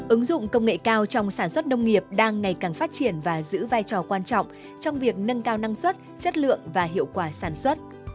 ứng dụng công nghệ cao trong sản xuất nông nghiệp đang ngày càng phát triển và giữ vai trò quan trọng trong việc nâng cao năng suất chất lượng và hiệu quả sản xuất